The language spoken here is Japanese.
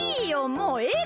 もうええ